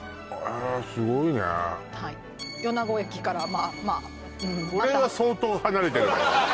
すごいねはい米子駅からまあまあこれは相当離れてるわよ